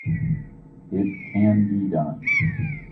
It can be done.